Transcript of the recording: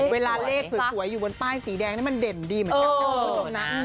เวลาเลขสวยอยู่บนป้ายสีแดงนี่มันเด่นดีเหมือนกันนะ